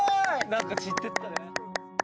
何か散ってったね。